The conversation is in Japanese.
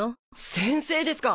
先生ですか！